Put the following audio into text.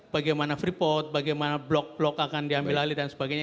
bagaimana freeport bagaimana blok blok akan diambil alih dan sebagainya